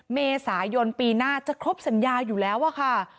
เมษายนปีหน้าจะครบสัญญาอยู่แล้วอะค่ะ